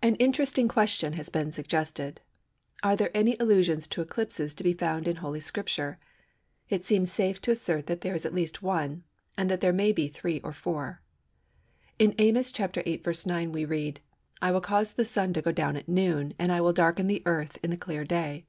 An interesting question has been suggested: Are there any allusions to eclipses to be found in Holy Scripture? It seems safe to assert that there is at least one, and that there may be three or four. In Amos viii. 9 we read:—"I will cause the Sun to go down at noon, and I will darken the Earth in the clear day."